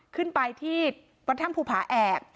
ขึ้นไปที่พระธรรมภูมิภาแอบ